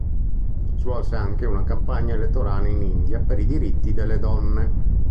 Svolse anche una campagna elettorale in India per i diritti delle donne.